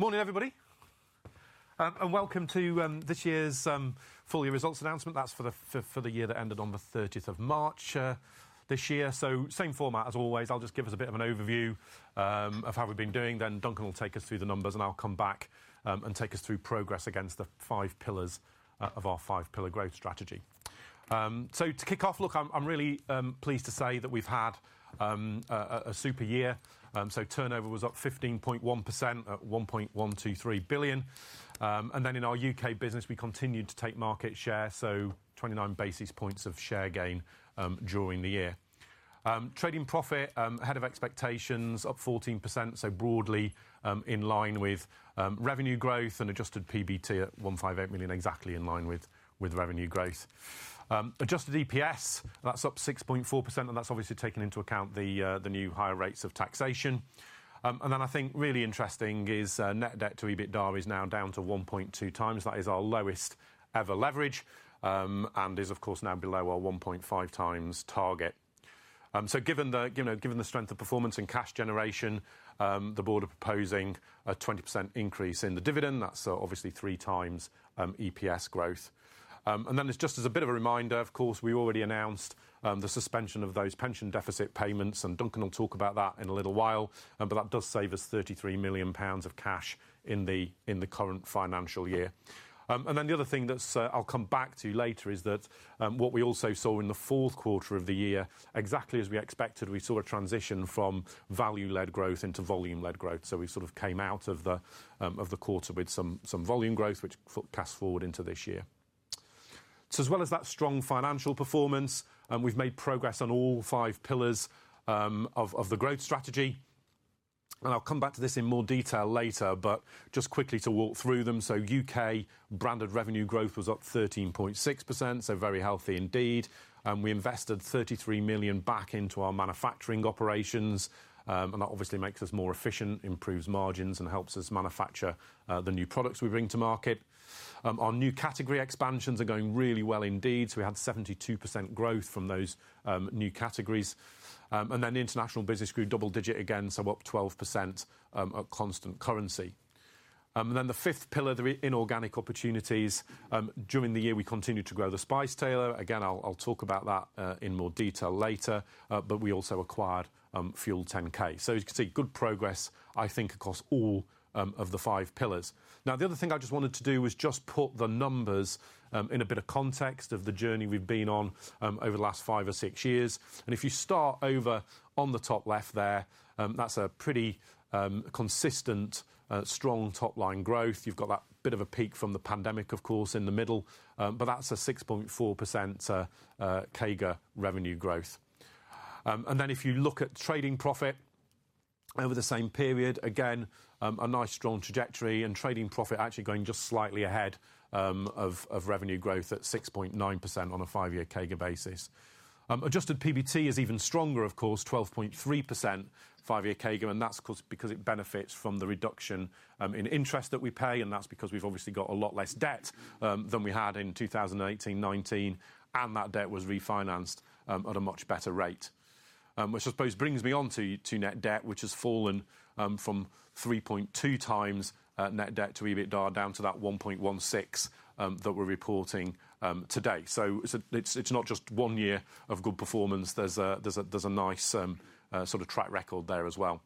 Morning, everybody, and welcome to this year's full year results announcement. That's for the year that ended on the thirtieth of March, this year. So same format as always. I'll just give us a bit of an overview of how we've been doing, then Duncan will take us through the numbers, and I'll come back and take us through progress against the five pillars of our five pillar growth strategy. So to kick off, look, I'm really pleased to say that we've had a super year, so turnover was up 15.1% at 1.123 billion, and then, in our U.K. business, we continued to take market share, so 29 basis points of share gain during the year. Trading profit, ahead of expectations, up 14%, so broadly in line with revenue growth and adjusted PBT at 158 million, exactly in line with revenue growth. Adjusted EPS, that's up 6.4%, and that's obviously taking into account the new higher rates of taxation, and then I think really interesting is net debt to EBITDA is now down to 1.2x. That is our lowest ever leverage, and is, of course, now below our 1.5x target. So given the, you know, given the strength of performance in cash generation, the board are proposing a 20% increase in the dividend. That's obviously 3x EPS growth. Then, just as a bit of a reminder, of course, we already announced the suspension of those pension deficit payments, and Duncan will talk about that in a little while, but that does save us 33 million pounds of cash in the current financial year, and then the other thing that's, I'll come back to later, is that, what we also saw in the fourth quarter of the year, exactly as we expected, we saw a transition from value-led growth into volume-led growth. So we sort of came out of the quarter with some volume growth, which cast forward into this year. So as well as that strong financial performance, we've made progress on all five pillars of the growth strategy, and I'll come back to this in more detail later, but just quickly to walk through them. So U.K. branded revenue growth was up 13.6%, so very healthy indeed. We invested 33 million back into our manufacturing operations, and that obviously makes us more efficient, improves margins, and helps us manufacture the new products we bring to market. Our new category expansions are going really well indeed, so we had 72% growth from those new categories, and then the international business grew double-digit again, so up 12%, at constant currency, and then the fifth pillar, the inorganic opportunities. During the year, we continued to grow The Spice Tailor. Again, I'll talk about that in more detail later, but we also acquired FUEL10K. So you can see good progress, I think, across all of the five pillars. Now, the other thing I just wanted to do was just put the numbers in a bit of context of the journey we've been on over the last five or six years, and if you start over on the top left there, that's a pretty consistent strong top-line growth. You've got that bit of a peak from the pandemic, of course, in the middle, but that's a 6.4% CAGR revenue growth. Then if you look at trading profit over the same period, again, a nice, strong trajectory and trading profit actually going just slightly ahead, of, of revenue growth at 6.9% on a five-year CAGR basis. Adjusted PBT is even stronger, of course, 12.3%, five-year CAGR, and that's, of course, because it benefits from the reduction in interest that we pay, and that's because we've obviously got a lot less debt than we had in 2018, 2019, and that debt was refinanced at a much better rate. Which I suppose brings me on to, to net debt, which has fallen from 3.2x net debt to EBITDA down to that 1.16 that we're reporting today. So it's not just one year of good performance. There's a nice sort of track record there as well,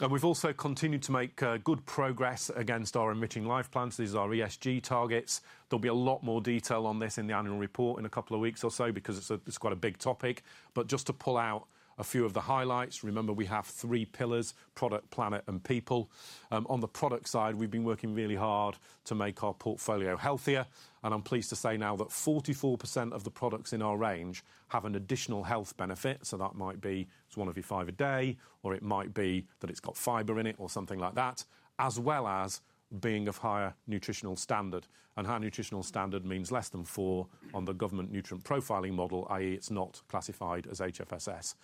and we've also continued to make good progress against our emission lifecycle plans. These are our ESG targets. There'll be a lot more detail on this in the annual report in a couple of weeks or so because it's quite a big topic, but just to pull out a few of the highlights, remember, we have three pillars: product, planet, and people. On the product side, we've been working really hard to make our portfolio healthier, and I'm pleased to say now that 44% of the products in our range have an additional health benefit, so that might be it's one of your five a day, or it might be that it's got fiber in it or something like that, as well as being of higher nutritional standard, and higher nutritional standard means less than 4 on the government nutrient profiling model, i.e., it's not classified as HFSS.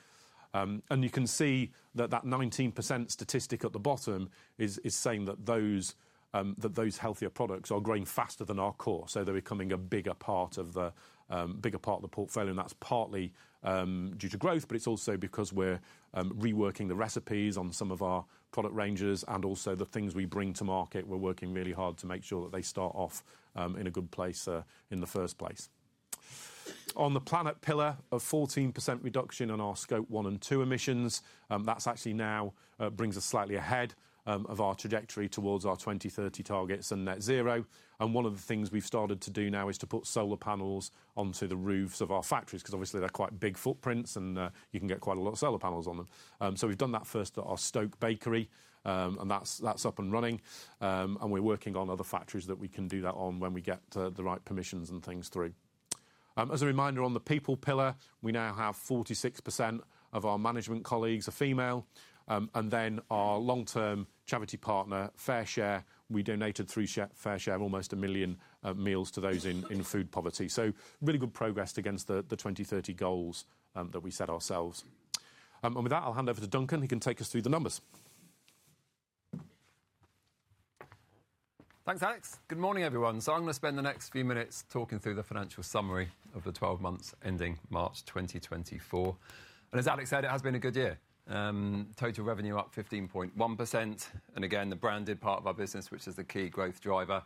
You can see that that 19% statistic at the bottom is, is saying that those, that those healthier products are growing faster than our core, so they're becoming a bigger part of the, bigger part of the portfolio, and that's partly, due to growth, but it's also because we're, reworking the recipes on some of our product ranges and also the things we bring to market. We're working really hard to make sure that they start off, in a good place, in the first place. On the planet pillar, a 14% reduction on our Scope 1 and 2 emissions, that's actually now, brings us slightly ahead, of our trajectory towards our 2030 targets and net zero. One of the things we've started to do now is to put solar panels onto the roofs of our factories, because obviously they're quite big footprints, and you can get quite a lot of solar panels on them. So we've done that first at our Stoke bakery, and that's up and running, and we're working on other factories that we can do that on when we get the right permissions and things through. As a reminder, on the people pillar, we now have 46% of our management colleagues are female, and then our long-term charity partner, FareShare, we donated through FareShare, almost 1 million meals to those in food poverty. So really good progress against the 2030 goals that we set ourselves. With that, I'll hand over to Duncan, who can take us through the numbers. Thanks, Alex. Good morning, everyone. I'm going to spend the next few minutes talking through the financial summary of the twelve months ending March 2024, and as Alex said, it has been a good year. Total revenue up 15.1%, and again, the branded part of our business, which is the key growth driver,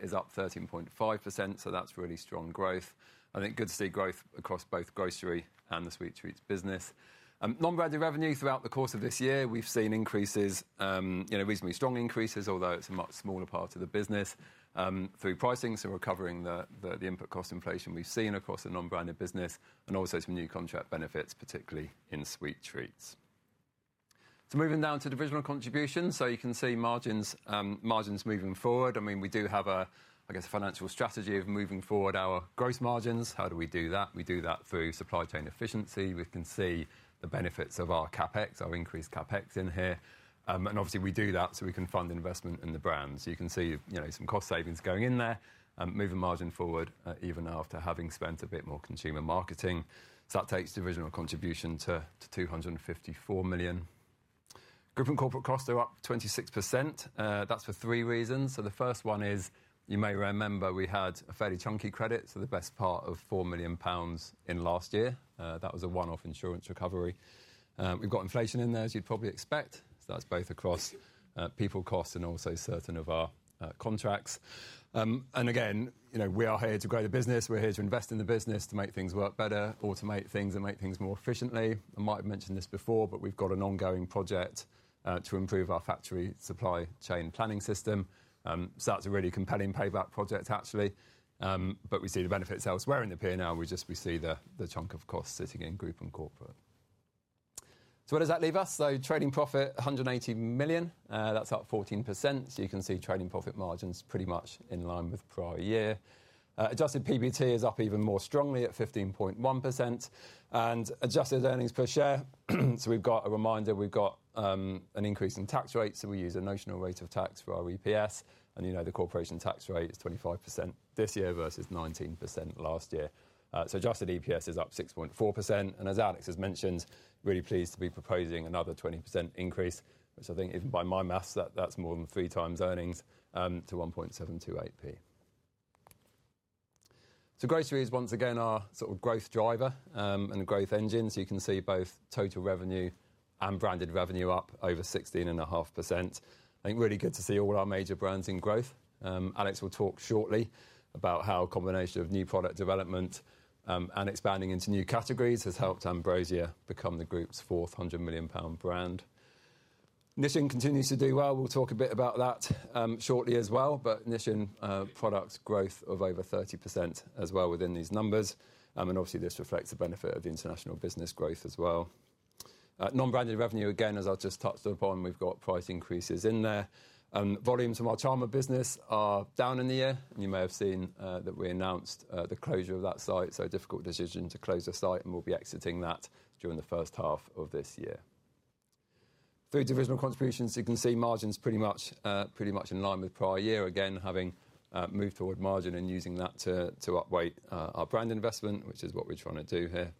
is up 13.5%, so that's really strong growth. I think good to see growth across both Grocery and the Sweet Treats business. Non-branded revenue throughout the course of this year, we've seen increases, you know, reasonably strong increases, although it's a much smaller part of the business, through pricing, so we're covering the input cost inflation we've seen across the non-branded business and also some new contract benefits, particularly in Sweet Treats. So moving down to divisional contributions. So you can see margins, margins moving forward. I mean, we do have a, I guess, financial strategy of moving forward our growth margins. How do we do that? We do that through supply chain efficiency. We can see the benefits of our CapEx, our increased CapEx in here, and obviously, we do that so we can fund investment in the brands. You can see, you know, some cost savings going in there and moving margin forward, even after having spent a bit more consumer marketing. So that takes divisional contribution to 254 million. Group and corporate costs are up 26%. That's for three reasons. So the first one is, you may remember we had a fairly chunky credit, so the best part of 4 million pounds in last year. That was a one-off insurance recovery. We've got inflation in there, as you'd probably expect. So that's both across people costs and also certain of our contracts, and again, you know, we are here to grow the business. We're here to invest in the business, to make things work better, automate things, and make things more efficiently. I might have mentioned this before, but we've got an ongoing project to improve our factory supply chain planning system. So that's a really compelling payback project, actually, but we see the benefits elsewhere in the P&L. We just see the chunk of costs sitting in group and corporate. So where does that leave us? So trading profit, 180 million. That's up 14%. So you can see trading profit margin's pretty much in line with prior year. Adjusted PBT is up even more strongly at 15.1% and adjusted earnings per share. So we've got a reminder, we've got an increase in tax rates, so we use a notional rate of tax for our EPS, and, you know, the corporation tax rate is 25% this year versus 19% last year. So adjusted EPS is up 6.4%, and as Alex has mentioned, really pleased to be proposing another 20% increase, which I think is, by my math, that's more than 3x earnings to 1.728p. So groceries once again are sort of growth driver and a growth engine. So you can see both total revenue and branded revenue up over 16.5%. I think really good to see all our major brands in growth. Alex will talk shortly about how a combination of new product development and expanding into new categories has helped Ambrosia become the group's fourth 100 million pound brand. Nissin continues to do well. We'll talk a bit about that shortly as well, but Nissin products growth of over 30% as well within these numbers, and obviously, this reflects the benefit of the international business growth as well. Non-branded revenue, again, as I've just touched upon, we've got price increases in there. Volumes from our Charnwood business are down in the year. You may have seen that we announced the closure of that site, so a difficult decision to close the site, and we'll be exiting that during the first half of this year. Through divisional contributions, you can see margins pretty much, pretty much in line with prior year, again, having moved toward margin and using that to, to outweigh our brand investment, which is what we're trying to do here,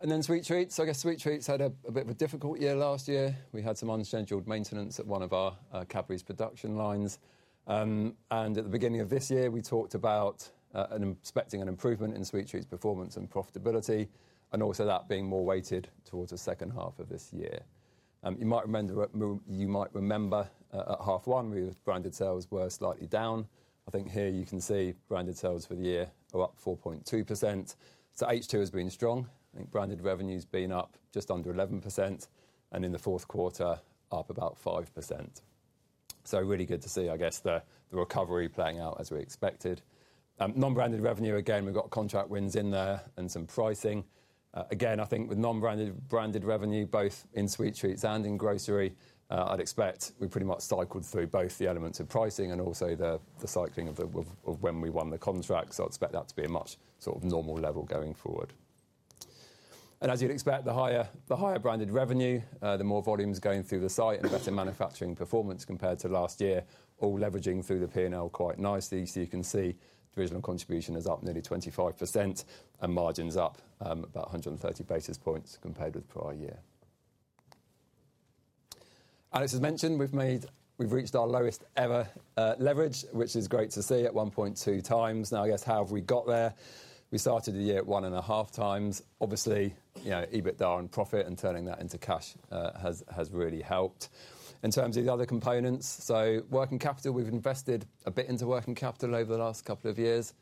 and then Sweet Treats. So I guess Sweet Treats had a bit of a difficult year last year. We had some unscheduled maintenance at one of our Cadbury's production lines, and at the beginning of this year, we talked about and expecting an improvement in Sweet Treats performance and profitability, and also that being more weighted towards the second half of this year. You might remember, you might remember, at half one, we branded sales were slightly down. I think here you can see branded sales for the year are up 4.2%. So H2 has been strong. I think branded revenue's been up just under 11%, and in the fourth quarter, up about 5%. So really good to see, I guess, the recovery playing out as we expected. Non-branded revenue, again, we've got contract wins in there and some pricing. Again, I think with non-branded, branded revenue, both in Sweet Treats and in Grocery, I'd expect we pretty much cycled through both the elements of pricing and also the cycling of when we won the contract. So I'd expect that to be a much sort of normal level going forward, and as you'd expect, the higher branded revenue, the more volumes going through the site and better manufacturing performance compared to last year, all leveraging through the P&L quite nicely. So you can see divisional contribution is up nearly 25% and margins up about 130 basis points compared with prior year. Alex has mentioned, we've reached our lowest ever leverage, which is great to see at 1.2x. Now, I guess, how have we got there? We started the year at 1.5x. Obviously, you know, EBITDA and profit, and turning that into cash has really helped. In terms of the other components, so working capital, we've invested a bit into working capital over the last couple of years.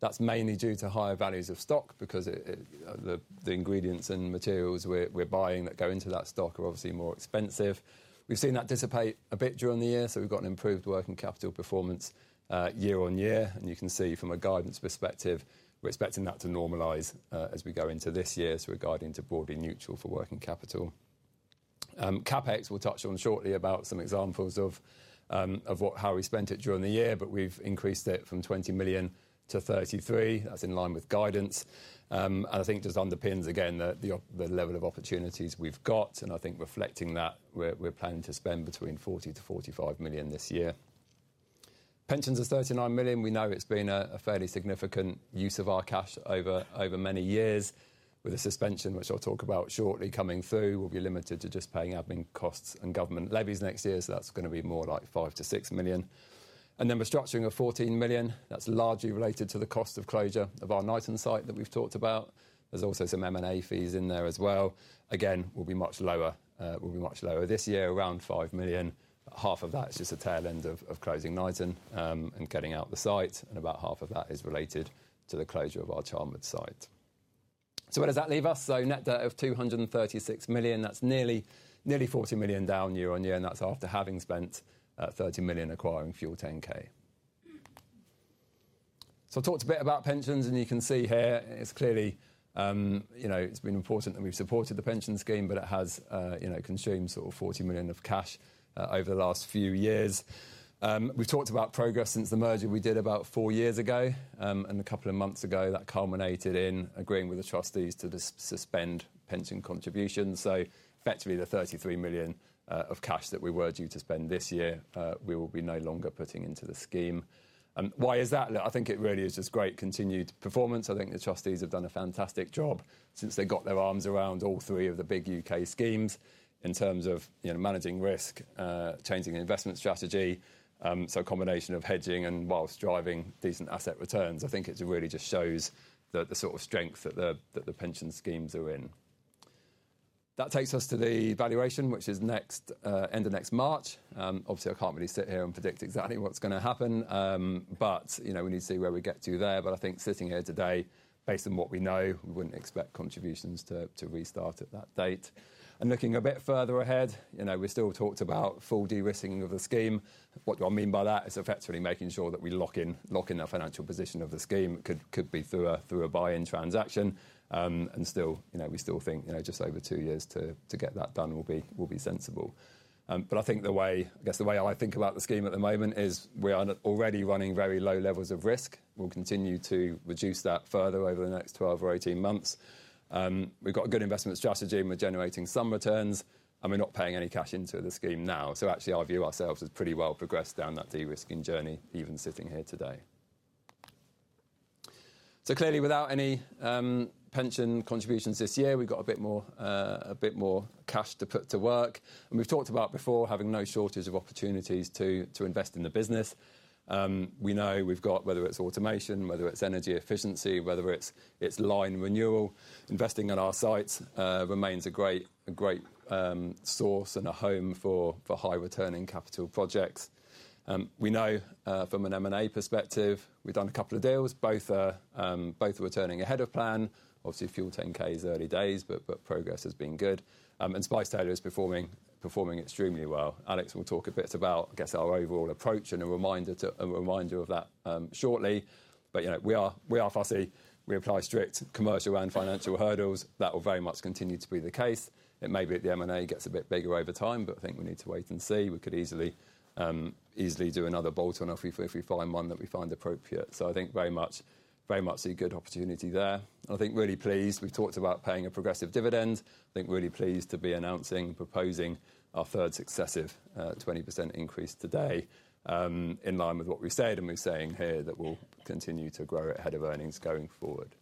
That's mainly due to higher values of stock, because the ingredients and materials we're buying that go into that stock are obviously more expensive. We've seen that dissipate a bit during the year, so we've got an improved working capital performance year on year, and you can see from a guidance perspective, we're expecting that to normalize as we go into this year. So we're guiding to broadly neutral for working capital. CapEx, we'll touch on shortly about some examples of what, how we spent it during the year, but we've increased it from 20 million to 33 million. That's in line with guidance, and I think just underpins, again, the level of opportunities we've got, and I think reflecting that, we're planning to spend between 40 million-45 million this year. Pensions are 39 million. We know it's been a fairly significant use of our cash over many years with a suspension, which I'll talk about shortly, coming through. We'll be limited to just paying admin costs and government levies next year, so that's going to be more like 5-6 million, and then we're structuring a 14 million. That's largely related to the cost of closure of our Knighton site that we've talked about. There's also some M&A fees in there as well. Again, we'll be much lower, we'll be much lower this year, around 5 million. Half of that is just the tail end of closing Knighton, and getting out the site, and about half of that is related to the closure of our Charnwood site. So where does that leave us? So net debt of 236 million, that's nearly, nearly 40 million down year-on-year, and that's after having spent 30 million acquiring FUEL10K. So I talked a bit about pensions, and you can see here, it's clearly, you know, it's been important that we've supported the pension scheme, but it has, you know, consumed sort of 40 million of cash over the last few years. We've talked about progress since the merger we did about 4 years ago. A couple of months ago, that culminated in agreeing with the trustees to suspend pension contributions. So effectively, the 33 million of cash that we were due to spend this year, we will be no longer putting into the scheme. Why is that? I think it really is just great continued performance. I think the trustees have done a fantastic job since they got their arms around all 3 of the big U.K. schemes in terms of, you know, managing risk, changing investment strategy. So a combination of hedging and while driving decent asset returns, I think it really just shows the sort of strength that the pension schemes are in. That takes us to the valuation, which is next end of next March. Obviously, I can't really sit here and predict exactly what's going to happen, but, you know, we need to see where we get to there, but I think sitting here today, based on what we know, we wouldn't expect contributions to restart at that date, and looking a bit further ahead, you know, we still talked about full de-risking of the scheme. What do I mean by that? It's effectively making sure that we lock in our financial position of the scheme. Could be through a buy-in transaction. Still, you know, we still think, you know, just over two years to get that done will be sensible, but I think the way, I guess, the way I think about the scheme at the moment is we are already running very low levels of risk. We'll continue to reduce that further over the next 12 or 18 months. We've got a good investment strategy, and we're generating some returns, and we're not paying any cash into the scheme now. So actually, our view ourselves is pretty well progressed down that de-risking journey, even sitting here today. So clearly, without any pension contributions this year, we've got a bit more cash to put to work, and we've talked about before having no shortage of opportunities to invest in the business. We know we've got, whether it's automation, whether it's energy efficiency, whether it's line renewal, investing in our sites, remains a great source and a home for high returning capital projects. We know from an M&A perspective, we've done a couple of deals. Both are returning ahead of plan. Obviously, FUEL10K is early days, but progress has been good, and Spice Tailor is performing, performing extremely well. Alex will talk a bit about, I guess, our overall approach and a reminder of that shortly, but you know, we are fussy. We apply strict commercial and financial hurdles. That will very much continue to be the case. It may be that the M&A gets a bit bigger over time, but I think we need to wait and see. We could easily, easily do another bolt-on if we, if we find one that we find appropriate. So I think very much, very much see good opportunity there. I think really pleased. We've talked about paying a progressive dividend. I think really pleased to be announcing, proposing our third successive, 20% increase today, in line with what we said, and we're saying here that we'll continue to grow ahead of earnings going forward.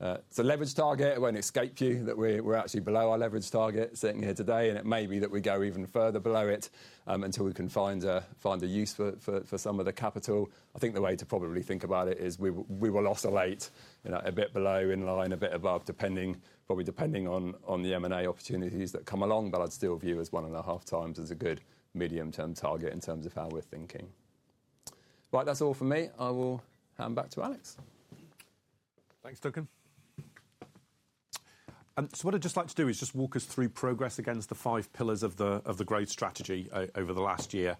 So leverage target, it won't escape you, that we're, we're actually below our leverage target sitting here today, and it may be that we go even further below it, until we can find a, find a use for, for, for some of the capital. I think the way to probably think about it is we will, we will oscillate, you know, a bit below in line, a bit above, depending, probably depending on, on the M&A opportunities that come along, but I'd still view as 1.5x as a good medium-term target in terms of how we're thinking. Right, that's all for me. I will hand back to Alex. Thanks, Duncan. What I'd just like to do is just walk us through progress against the five pillars of the growth strategy over the last year.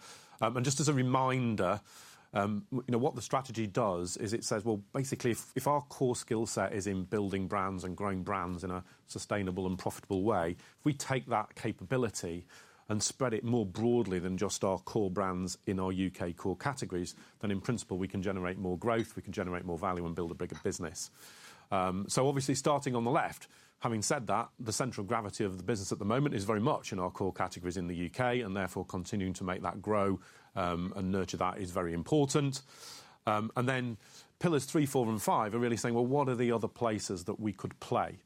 Just as a reminder, you know, what the strategy does is it says, well, basically, if our core skill set is in building brands and growing brands in a sustainable and profitable way, if we take that capability and spread it more broadly than just our core brands in our U.K. core categories, then in principle, we can generate more growth, we can generate more value and build a bigger business. So obviously, starting on the left, having said that, the central gravity of the business at the moment is very much in our core categories in the U.K., and therefore, continuing to make that grow and nurture that is very important. Then pillars three, four, and five are really saying, well, what are the other places that we could play?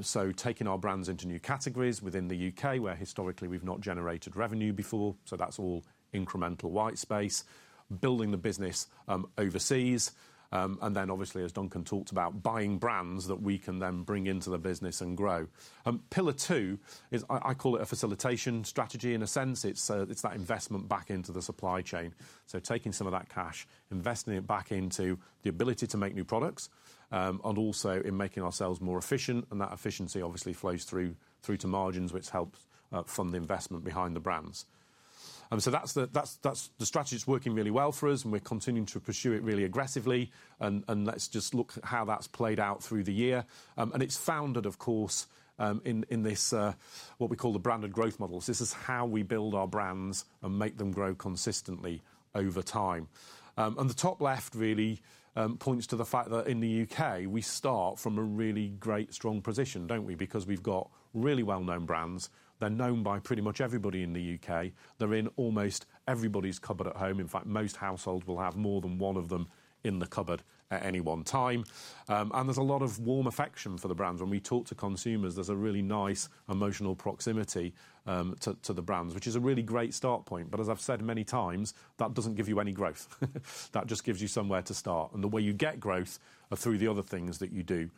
So taking our brands into new categories within the U.K., where historically we've not generated revenue before, so that's all incremental white space, building the business overseas, and then obviously, as Duncan talked about, buying brands that we can then bring into the business and grow. Pillar two is, I call it a facilitation strategy. In a sense, it's that investment back into the supply chain. So taking some of that cash, investing it back into the ability to make new products, and also in making ourselves more efficient, and that efficiency obviously flows through to margins, which helps fund the investment behind the brands. So that's the. The strategy is working really well for us, and we're continuing to pursue it really aggressively, and let's just look at how that's played out through the year. It's founded, of course, in this what we call the branded growth model. So this is how we build our brands and make them grow consistently over time. The top left really points to the fact that in the U.K., we start from a really great, strong position, don't we? Because we've got really well-known brands. They're known by pretty much everybody in the U.K. They're in almost everybody's cupboard at home. In fact, most households will have more than one of them in the cupboard at any one time, and there's a lot of warm affection for the brands. When we talk to consumers, there's a really nice emotional proximity, to, to the brands, which is a really great start point, but as I've said many times, that doesn't give you any growth. That just gives you somewhere to start, and the way you get growth are through the other things that you do.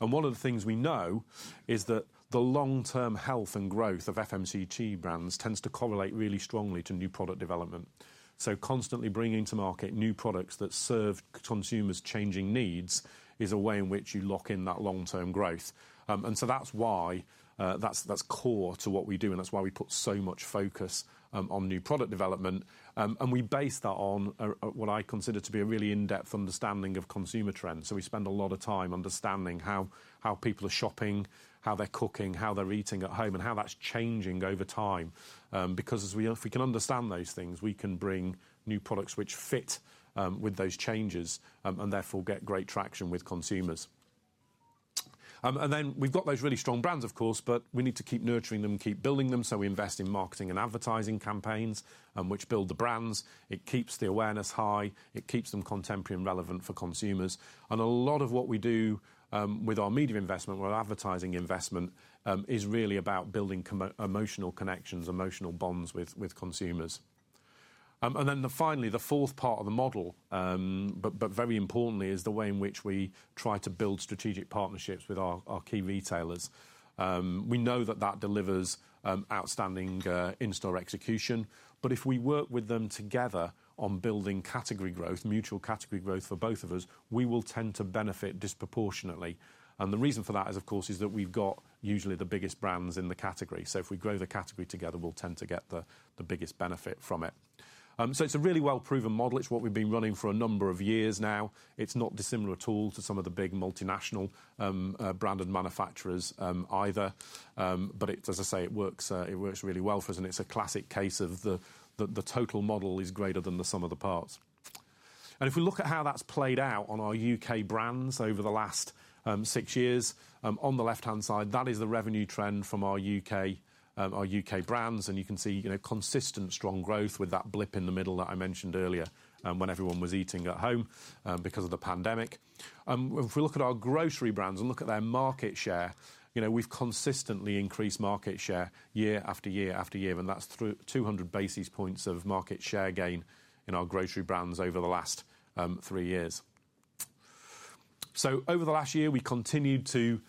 One of the things we know is that the long-term health and growth of FMCG brands tends to correlate really strongly to new product development. So constantly bringing to market new products that serve consumers' changing needs is a way in which you lock in that long-term growth, and so that's why, that's, that's core to what we do, and that's why we put so much focus on new product development, and we base that on what I consider to be a really in-depth understanding of consumer trends. So we spend a lot of time understanding how people are shopping, how they're cooking, how they're eating at home, and how that's changing over time. Because as we know, if we can understand those things, we can bring new products which fit with those changes and therefore get great traction with consumers, and then we've got those really strong brands, of course, but we need to keep nurturing them, keep building them, so we invest in marketing and advertising campaigns which build the brands. It keeps the awareness high, it keeps them contemporary and relevant for consumers, and a lot of what we do with our media investment, with our advertising investment is really about building emotional connections, emotional bonds with consumers. Then finally, the fourth part of the model, but very importantly, is the way in which we try to build strategic partnerships with our key retailers. We know that that delivers outstanding in-store execution, but if we work with them together on building category growth, mutual category growth for both of us, we will tend to benefit disproportionately, and the reason for that is, of course, that we've got usually the biggest brands in the category, so if we grow the category together, we'll tend to get the biggest benefit from it. So it's a really well-proven model. It's what we've been running for a number of years now. It's not dissimilar at all to some of the big multinational branded manufacturers either. But it, as I say, it works really well for us, and it's a classic case of the total model is greater than the sum of the parts, and if we look at how that's played out on our U.K. brands over the last six years, on the left-hand side, that is the revenue trend from our U.K. brands, and you can see, you know, consistent strong growth with that blip in the middle that I mentioned earlier, when everyone was eating at home, because of the pandemic. If we look at our grocery brands and look at their market share, you know, we've consistently increased market share year after year after year, and that's through 200 basis points of market share gain in our grocery brands over the last three years. So over the last year, we continued to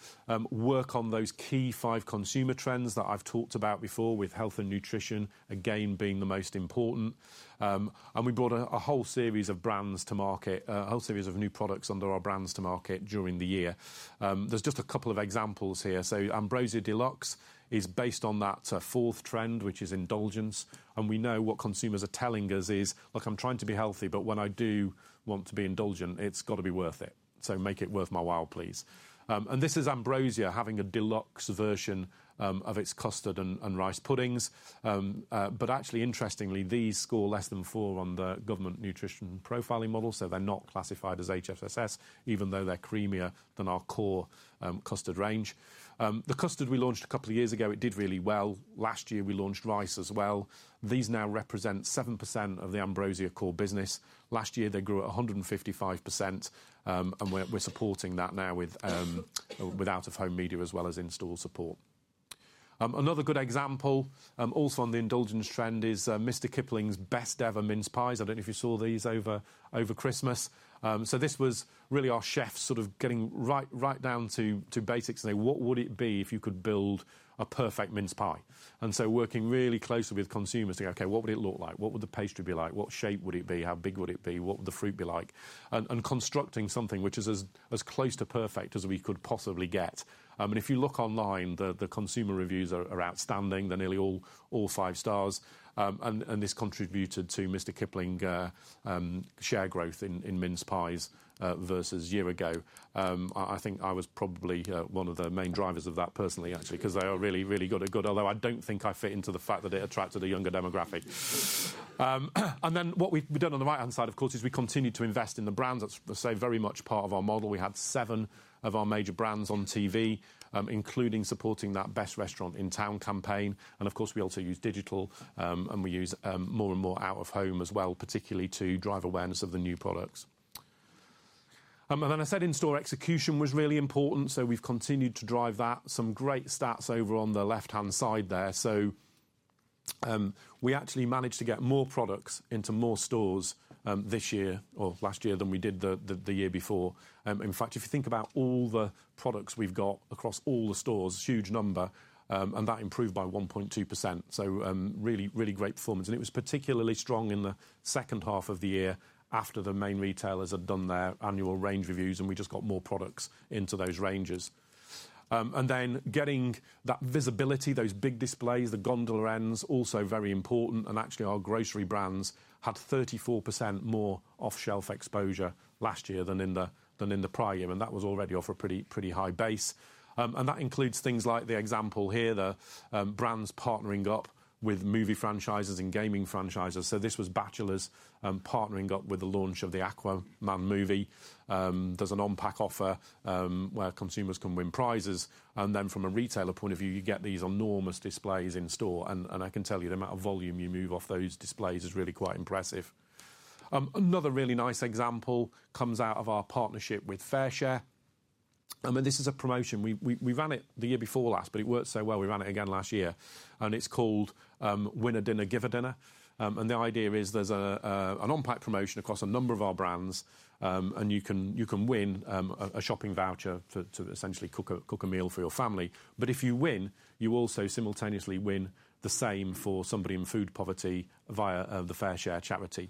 work on those key five consumer trends that I've talked about before, with health and nutrition, again, being the most important, and we brought a whole series of brands to market, a whole series of new products under our brands to market during the year. There's just a couple of examples here. So Ambrosia Deluxe is based on that fourth trend, which is indulgence, and we know what consumers are telling us is, "Look, I'm trying to be healthy, but when I do want to be indulgent, it's got to be worth it, so make it worth my while, please." This is Ambrosia having a deluxe version of its custard and rice puddings. But actually, interestingly, these score less than 4 on the government nutrition profiling model, so they're not classified as HFSS, even though they're creamier than our core custard range. The custard we launched a couple of years ago, it did really well. Last year, we launched rice as well. These now represent 7% of the Ambrosia core business. Last year, they grew at 155%, and we're supporting that now with out-of-home media as well as in-store support. Another good example, also on the indulgence trend, is Mr. Kipling's Best Ever Mince Pies. I don't know if you saw these over Christmas. So, this was really our chefs sort of getting right, right down to to basics and say, "What would it be if you could build a perfect mince pie?" Working really closely with consumers to go, "Okay, what would it look like? What would the pastry be like? What shape would it be? How big would it be? What would the fruit be like?" Constructing something which is as close to perfect as we could possibly get. I mean, if you look online, the consumer reviews are outstanding. They're nearly all five stars, and this contributed to Mr Kipling share growth in mince pies versus year ago. I think I was probably one of the main drivers of that personally, actually, 'cause they are really, really good, are good, although I don't think I fit into the fact that it attracted a younger demographic, and then what we've done on the right-hand side, of course, is we continued to invest in the brands. That's, say, very much part of our model. We had seven of our major brands on TV, including supporting that Best Restaurant in Town campaign, and of course, we also use digital, and we use more and more out-of-home as well, particularly to drive awareness of the new products, and then I said in-store execution was really important, so we've continued to drive that. Some great stats over on the left-hand side there. We actually managed to get more products into more stores, this year or last year than we did the year before. In fact, if you think about all the products we've got across all the stores, huge number, and that improved by 1.2%, so, really, really great performance. It was particularly strong in the second half of the year after the main retailers had done their annual range reviews, and we just got more products into those ranges, and then getting that visibility, those big displays, the gondola ends, also very important. Actually, our grocery brands had 34% more off-shelf exposure last year than in the prior year, and that was already off a pretty, pretty high base. That includes things like the example here, the brands partnering up with movie franchises and gaming franchises. So this was Batchelors partnering up with the launch of the Aquaman movie. There's an on-pack offer where consumers can win prizes, and then from a retailer point of view, you get these enormous displays in store, and I can tell you, the amount of volume you move off those displays is really quite impressive. Another really nice example comes out of our partnership with FareShare, and this is a promotion. We ran it the year before last, but it worked so well, we ran it again last year, and it's called Win a Dinner, Give a Dinner. The idea is there's an on-pack promotion across a number of our brands, and you can win a shopping voucher to essentially cook a meal for your family, but if you win, you also simultaneously win the same for somebody in food poverty via the FareShare charity.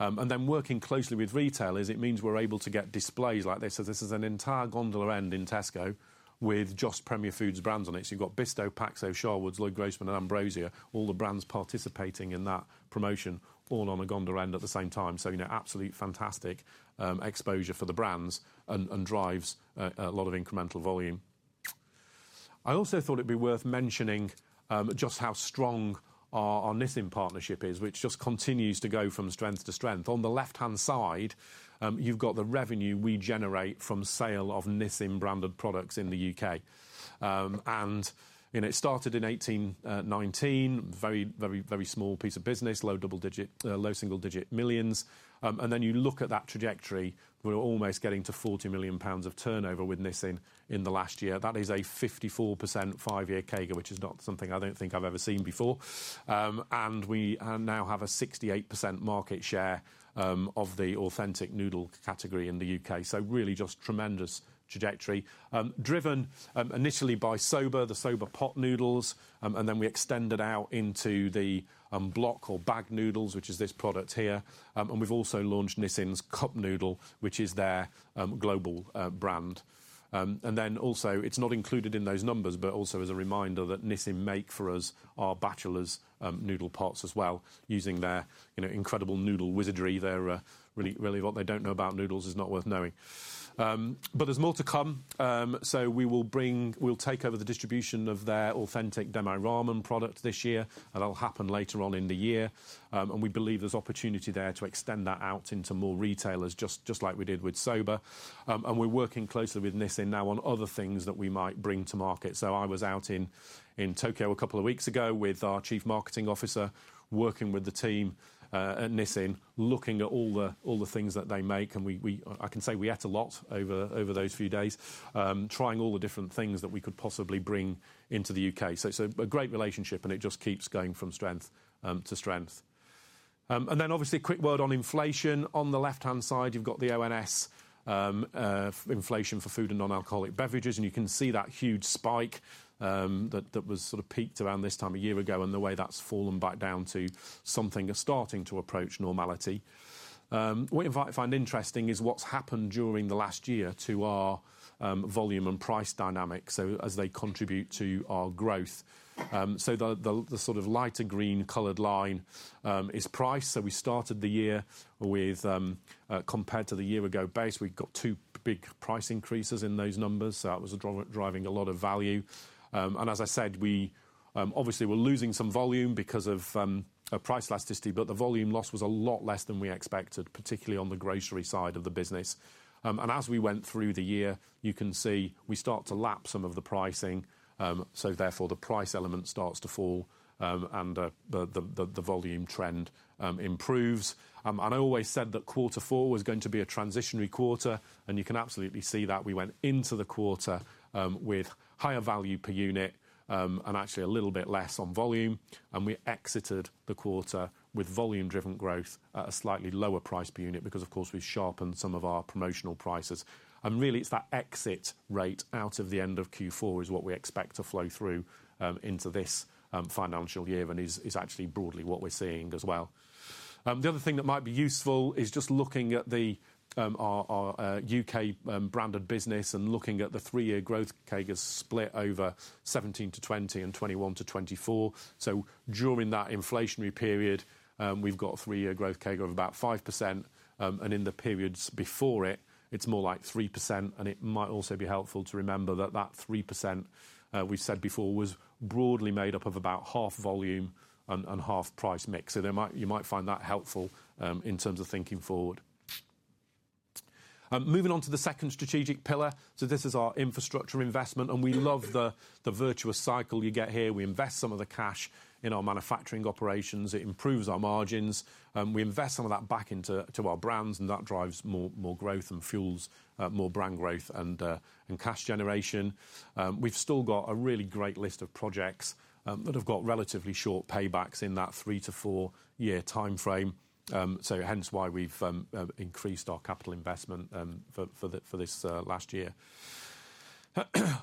Then working closely with retailers, it means we're able to get displays like this. So this is an entire gondola end in Tesco with just Premier Foods brands on it. So you've got Bisto, Paxo, Sharwood's, Loyd Grossman, and Ambrosia, all the brands participating in that promotion, all on a gondola end at the same time. So, you know, absolutely fantastic exposure for the brands and drives a lot of incremental volume. I also thought it'd be worth mentioning, just how strong our, our Nissin partnership is, which just continues to go from strength to strength. On the left-hand side, you've got the revenue we generate from sale of Nissin-branded products in the U.K., and, you know, it started in 2019, very, very, very small piece of business, low single digit millions, and then you look at that trajectory, we're almost getting to 40 million pounds of turnover with Nissin in the last year. That is a 54% 5-year CAGR, which is not something I don't think I've ever seen before, and we now have a 68% market share of the authentic noodle category in the U.K.. So really, just tremendous trajectory. Driven, initially by Soba, the Soba pot noodles, and then we extended out into the, block or bag noodles, which is this product here, and we've also launched Nissin's Cup Noodle, which is their, global, brand, and then also, it's not included in those numbers, but also as a reminder that Nissin make for us our Batchelors, noodle pots as well, using their, you know, incredible noodle wizardry. They're, really, really what they don't know about noodles is not worth knowing, but there's more to come. So we will bring- we'll take over the distribution of their authentic Demae Ramen product this year, and that'll happen later on in the year, and we believe there's opportunity there to extend that out into more retailers, just, just like we did with Soba. We're working closely with Nissin now on other things that we might bring to market. So I was out in Tokyo a couple of weeks ago with our Chief Marketing Officer, working with the team at Nissin, looking at all the things that they make, and I can say we ate a lot over those few days, trying all the different things that we could possibly bring into the U.K.. So a great relationship, and it just keeps going from strength to strength, and then obviously, a quick word on inflation. On the left-hand side, you've got the ONS inflation for food and non-alcoholic beverages, and you can see that huge spike that was sort of peaked around this time a year ago, and the way that's fallen back down to something starting to approach normality. What I find interesting is what's happened during the last year to our volume and price dynamics, so as they contribute to our growth. So the sort of lighter green colored line is price. So we started the year with, compared to the year-ago base, we've got two big price increases in those numbers, so that was driving a lot of value. As I said, we obviously were losing some volume because of price elasticity, but the volume loss was a lot less than we expected, particularly on the grocery side of the business, and as we went through the year, you can see we start to lap some of the pricing, so therefore, the price element starts to fall, and the volume trend improves. I always said that quarter four was going to be a transitionary quarter, and you can absolutely see that. We went into the quarter with higher value per unit, and actually a little bit less on volume, and we exited the quarter with volume-driven growth at a slightly lower price per unit because, of course, we sharpened some of our promotional prices. Really, it's that exit rate out of the end of Q4 is what we expect to flow through into this financial year and is actually broadly what we're seeing as well. The other thing that might be useful is just looking at our U.K. branded business and looking at the three-year growth CAGRs split over 2017-2020 and 2021-2024. So during that inflationary period, we've got a three-year growth CAGR of about 5%, and in the periods before it, it's more like 3%, and it might also be helpful to remember that that 3%, we've said before, was broadly made up of about half volume and half price mix. You might find that helpful in terms of thinking forward. Moving on to the second strategic pillar. So this is our infrastructure investment, and we love the, the virtuous cycle you get here. We invest some of the cash in our manufacturing operations. It improves our margins, and we invest some of that back into, to our brands, and that drives more, more growth and fuels, more brand growth and, and cash generation. We've still got a really great list of projects, that have got relatively short paybacks in that three, four year timeframe, so hence why we've, increased our capital investment, for, for the, for this, last year.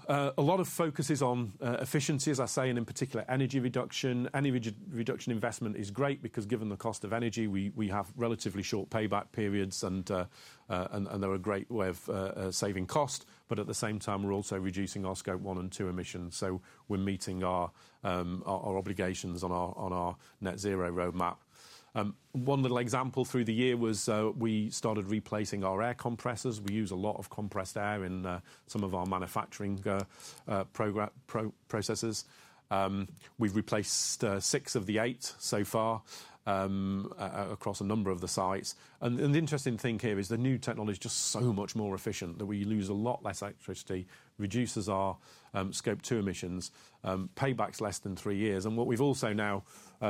A lot of focus is on, efficiency, as I say, and in particular, energy reduction. Any reduction investment is great because given the cost of energy, we have relatively short payback periods and they're a great way of saving cost, but at the same time, we're also reducing our Scope 1 and 2 emissions. So we're meeting our obligations on our net zero roadmap. One little example through the year was we started replacing our air compressors. We use a lot of compressed air in some of our manufacturing processes. We've replaced six of the eight so far across a number of the sites, and the interesting thing here is the new technology is just so much more efficient that we use a lot less electricity, reduces our Scope 2 emissions. Payback's less than three years, and what we've also now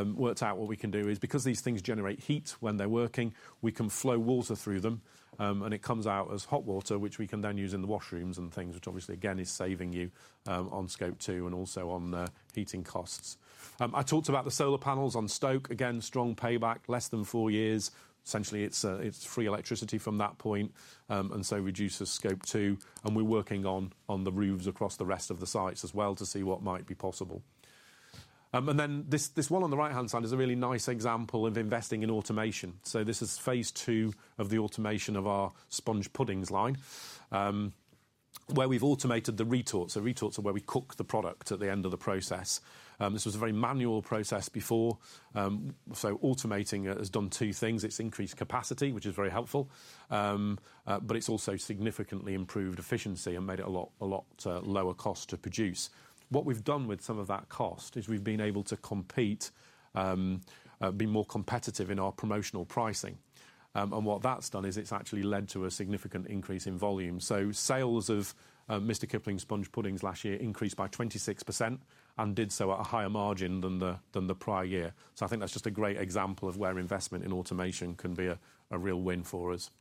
worked out what we can do is, because these things generate heat when they're working, we can flow water through them, and it comes out as hot water, which we can then use in the washrooms and things, which obviously, again, is saving you on Scope 2 and also on the heating costs. I talked about the solar panels on Stoke. Again, strong payback, less than four years. Essentially, it's free electricity from that point, and so reduces Scope 2, and we're working on the roofs across the rest of the sites as well to see what might be possible, and then this one on the right-hand side is a really nice example of investing in automation. So this is phase two of the automation of our sponge puddings line, where we've automated the retorts. The retorts are where we cook the product at the end of the process. This was a very manual process before. So automating it has done two things. It's increased capacity, which is very helpful, but it's also significantly improved efficiency and made it a lot, a lot lower cost to produce. What we've done with some of that cost is we've been able to compete, be more competitive in our promotional pricing, and what that's done is it's actually led to a significant increase in volume. So sales of Mr. Kipling's sponge puddings last year increased by 26% and did so at a higher margin than the prior year. So I think that's just a great example of where investment in automation can be a real win for us.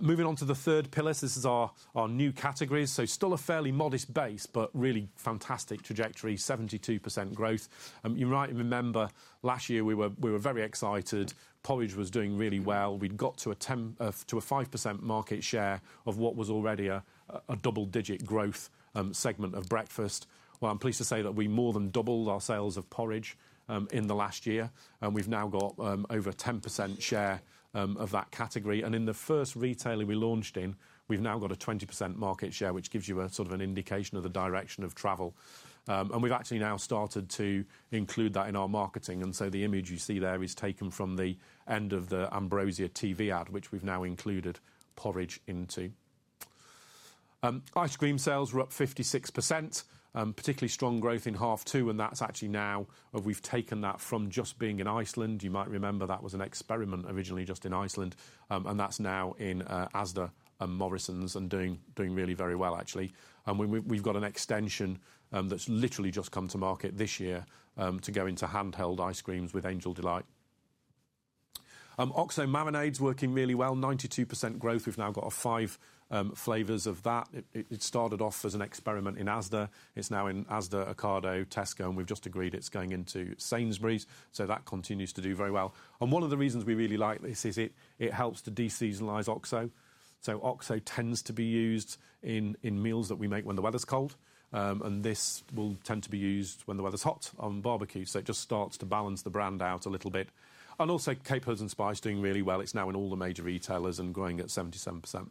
Moving on to the third pillar, so this is our new categories, so still a fairly modest base, but really fantastic trajectory, 72% growth. You might remember last year we were very excited. Porridge was doing really well. We'd got to a 5% market share of what was already a double-digit growth segment of breakfast. Well, I'm pleased to say that we more than doubled our sales of porridge in the last year, and we've now got over a 10% share of that category. In the first retailer we launched in, we've now got a 20% market share, which gives you a sort of an indication of the direction of travel, and we've actually now started to include that in our marketing, and so the image you see there is taken from the end of the Ambrosia TV ad, which we've now included porridge into. Ice cream sales were up 56%, particularly strong growth in H2, and that's actually now, we've taken that from just being in Iceland. You might remember that was an experiment originally just in Iceland, and that's now in Asda and Morrisons and doing really very well, actually, and we've got an extension, that's literally just come to market this year, to go into handheld ice creams with Angel Delight. OXO Marinade's working really well, 92% growth. We've now got five flavors of that. It started off as an experiment in Asda. It's now in Asda, Ocado, Tesco, and we've just agreed it's going into Sainsbury's, so that continues to do very well, and one of the reasons we really like this is it helps to de-seasonalize OXO. So OXO tends to be used in meals that we make when the weather's cold, and this will tend to be used when the weather's hot on barbecues, so it just starts to balance the brand out a little bit, and also, Capers and Spice doing really well. It's now in all the major retailers and growing at 77%.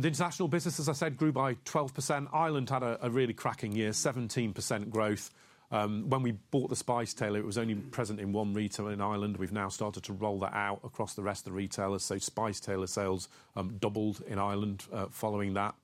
The international business, as I said, grew by 12%. Ireland had a really cracking year, 17% growth. When we bought The Spice Tailor, it was only present in one retailer in Ireland. We've now started to roll that out across the rest of the retailers, so Spice Tailor sales doubled in Ireland following that.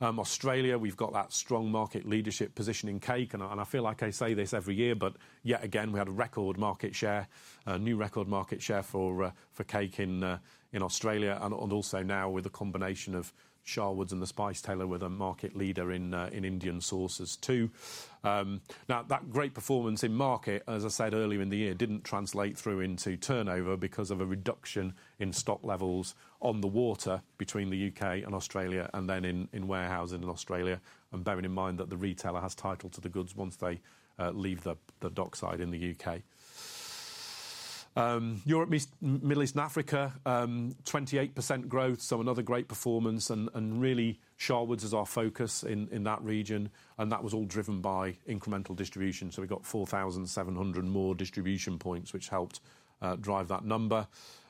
Australia, we've got that strong market leadership position in cake, and I feel like I say this every year, but yet again, we had a record market share, a new record market share for cake in Australia and also now with a combination of Sharwood's and The Spice Tailor. We're the market leader in Indian sauces, too. Now, that great performance in market, as I said earlier in the year, didn't translate through into turnover because of a reduction in stock levels on the water between the U.K. and Australia and then in warehousing in Australia, and bearing in mind that the retailer has title to the goods once they leave the dockside in the U.K.. Europe, Middle East and Africa, 28% growth, so another great performance and really, Sharwood's is our focus in that region, and that was all driven by incremental distribution. So we got 4,700 more distribution points, which helped drive that number.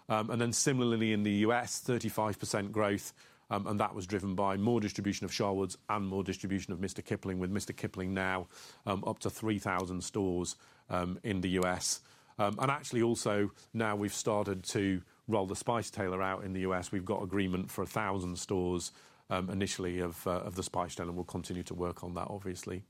Then similarly in the U.S., 35% growth, and that was driven by more distribution of Sharwood's and more distribution of Mr. Kipling, with Mr. Kipling now, up to 3,000 stores in the U.S, and actually, now we've started to roll The Spice Tailor out in the U.S. We've got agreement for 1,000 stores, initially of The Spice Tailor, and we'll continue to work on that, obviously.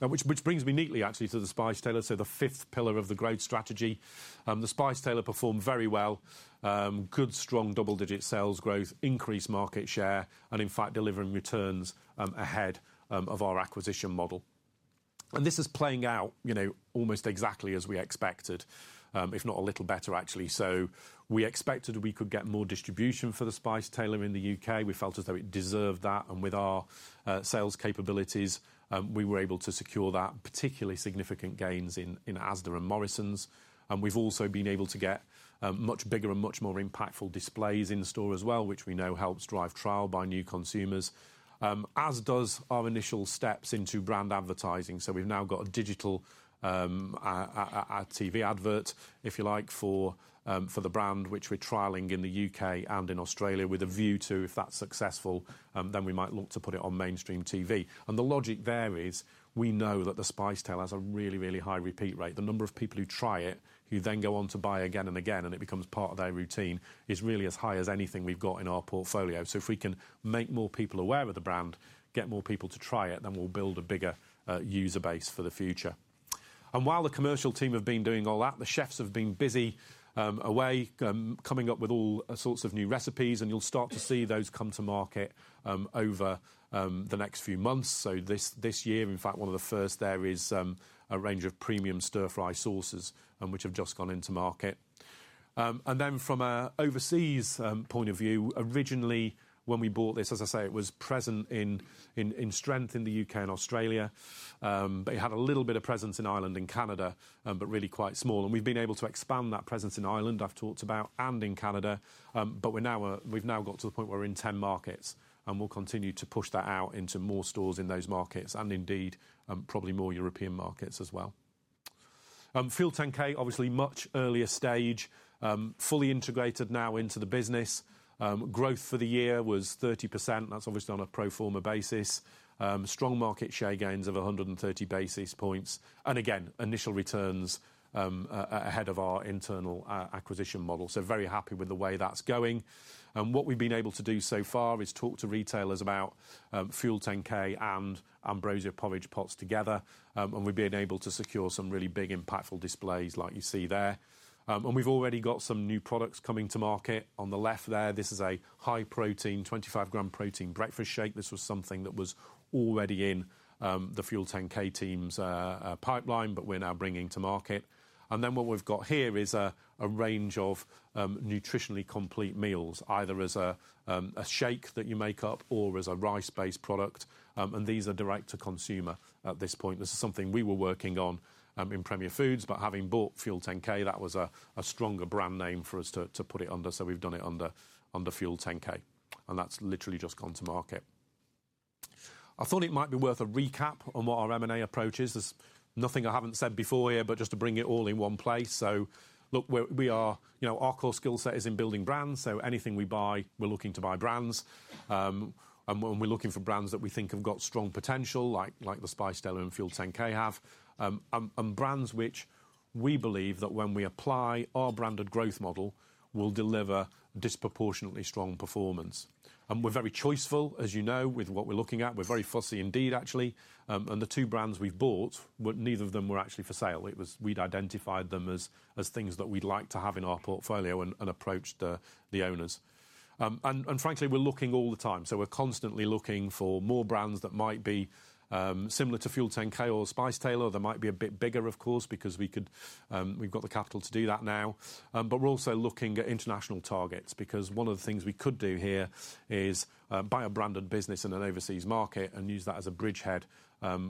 Which brings me neatly, actually, to The Spice Tailor, so the fifth pillar of the growth strategy. The Spice Tailor performed very well, good, strong double-digit sales growth, increased market share, and in fact, delivering returns ahead of our acquisition model, and this is playing out, you know, almost exactly as we expected, if not a little better, actually. So we expected we could get more distribution for The Spice Tailor in the U.K. We felt as though it deserved that, and with our sales capabilities, we were able to secure that, particularly significant gains in Asda and Morrisons, and we've also been able to get much bigger and much more impactful displays in store as well, which we know helps drive trial by new consumers, as does our initial steps into brand advertising. So we've now got a digital TV advert, if you like, for the brand, which we're trialing in the U.K. and in Australia with a view to, if that's successful, then we might look to put it on mainstream TV. The logic there is, we know that The Spice Tailor has a really, really high repeat rate. The number of people who try it, who then go on to buy again and again, and it becomes part of their routine, is really as high as anything we've got in our portfolio. So if we can make more people aware of the brand, get more people to try it, then we'll build a bigger user base for the future, and while the commercial team have been doing all that, the chefs have been busy coming up with all sorts of new recipes, and you'll start to see those come to market over the next few months. So this year, in fact, one of the first there is a range of premium stir-fry sauces, which have just gone into market. Then from an overseas point of view, originally when we bought this, as I say, it was present in strength in the U.K. and Australia, but it had a little bit of presence in Ireland and Canada, but really quite small, and we've been able to expand that presence in Ireland, I've talked about, and in Canada, but we've now got to the point where we're in 10 markets, and we'll continue to push that out into more stores in those markets and indeed, probably more European markets as well. FUEL10K, obviously much earlier stage, fully integrated now into the business. Growth for the year was 30%, and that's obviously on a pro forma basis. Strong market share gains of 130 basis points. Again, initial returns ahead of our internal acquisition model. So very happy with the way that's going, and what we've been able to do so far is talk to retailers about FUEL10K and Ambrosia porridge pots together, and we've been able to secure some really big, impactful displays like you see there, and we've already got some new products coming to market. On the left there, this is a high protein, 25-gram protein breakfast shake. This was something that was already in the FUEL10K team's pipeline, but we're now bringing to market, and then what we've got here is a range of nutritionally complete meals, either as a shake that you make up or as a rice-based product, and these are direct to consumer at this point. This is something we were working on in Premier Foods, but having bought FUEL10K, that was a stronger brand name for us to put it under, so we've done it under FUEL10K, and that's literally just gone to market. I thought it might be worth a recap on what our M&A approach is. There's nothing I haven't said before here, but just to bring it all in one place. So look, we are, you know, our core skill set is in building brands, so anything we buy, we're looking to buy brands, and when we're looking for brands that we think have got strong potential, like the Spice Tailor and FUEL10K have, and brands which we believe that when we apply our branded growth model, will deliver disproportionately strong performance. We're very choiceful, as you know, with what we're looking at. We're very fussy indeed, actually, and the two brands we've bought, well, neither of them were actually for sale. We'd identified them as things that we'd like to have in our portfolio and approached the owners. Frankly, we're looking all the time, so we're constantly looking for more brands that might be similar to FUEL10K or Spice Tailor. They might be a bit bigger, of course, because we could, we've got the capital to do that now, but we're also looking at international targets, because one of the things we could do here is buy a branded business in an overseas market and use that as a bridgehead